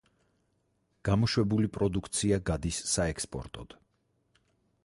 გამოშვებული პროდუქცია გადის საექსპორტოდ.